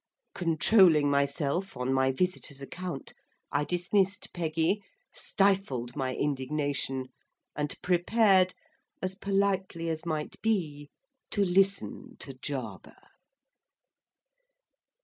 Controlling myself on my visitor's account, I dismissed Peggy, stifled my indignation, and prepared, as politely as might be, to listen to Jarber.